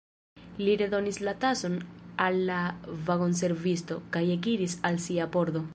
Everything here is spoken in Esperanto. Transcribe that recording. Li redonis la tason al la vagonservisto, kaj ekiris al sia pordo.